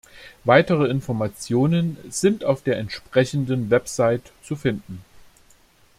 Weitere Informationen sind auf der entsprechenden Website zu finden.